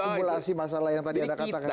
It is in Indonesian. akumulasi masalah yang tadi anda katakan